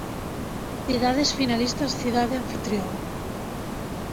Cidades finalistas Cidade anfitrioa